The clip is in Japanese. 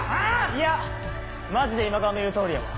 ⁉いやマジで今川の言う通りやわ。